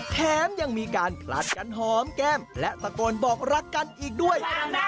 แถมยังมีการผลัดกันหอมแก้มและตะโกนบอกรักกันอีกด้วย